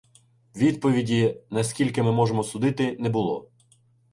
Відповіді, наскільки ми можемо судити, не було.